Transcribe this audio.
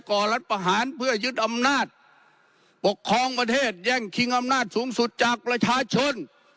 ่อรัฐประหารเพื่อยึดอำนาจปกครองประเทศแย่งชิงอำนาจสูงสุดจากประชาชน